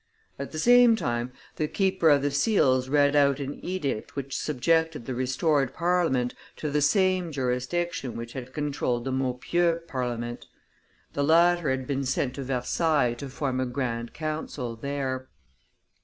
At the same time the keeper of the seals read out an edict which subjected the restored Parliament to the same jurisdiction which had controlled the Maupeou Parliament. The latter had been sent to Versailles to form a grand council there.